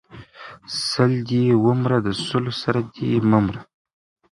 سل دې ومره د سلو سر دې مه مره!